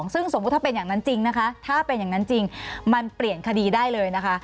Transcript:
ซึ่งสมมุติถ้าเป็นอย่างนั้นจริงนะคะถ้าเป็นอย่างนั้นจริงมันเปลี่ยนคดีได้เลยนะคะ